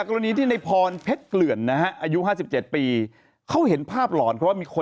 คิดน้อยอยู่เร็วอย่างนี้